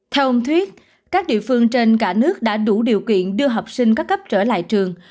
theo ông thuyết các địa phương trên cả nước đã đủ điều kiện đưa học sinh các cấp trở lại trường